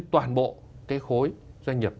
toàn bộ cái khối doanh nghiệp